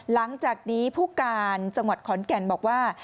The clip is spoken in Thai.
หลังจากนี้ผู้การจังหวัดขอนแก่นบอกว่า